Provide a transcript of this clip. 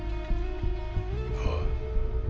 ああ。